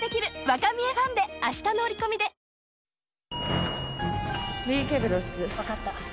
わかった。